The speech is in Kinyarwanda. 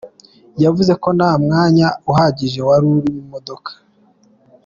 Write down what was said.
Yavuze ko "nta mwanya uhagije wari uri mu modoka.